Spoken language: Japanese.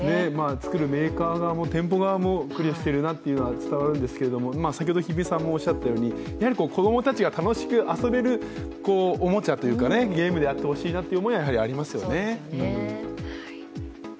作るメーカー側も店舗側も苦慮しているなというのは伝わるんですが、子供たちが楽しく遊べるおもちゃというかゲームであってほしいなという思いはありますよね。